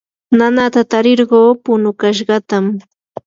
nanata tarirquu punukashqatam